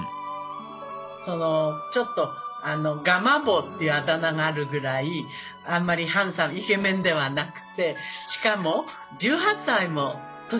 ちょっと「ガマ坊」っていうあだ名があるぐらいあんまりハンサムイケメンではなくてしかも１８歳も年が離れてますよね。